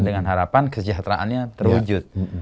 dengan harapan kesejahteraannya terwujud